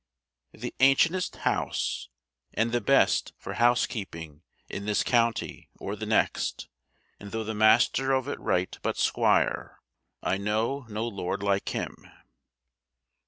The ancientest house, and the best for housekeeping in this county or the next, and though the master of it write but squire, I know no lord like him.